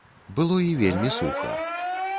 Было і вельмі суха.